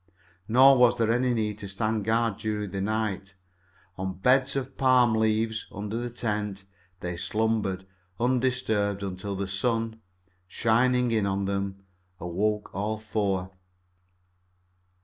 Nor was there any need to stand guard during the night. On beds of palm leaves, under the tent, they slumbered undisturbed until the sun, shining in on them, awoke all four.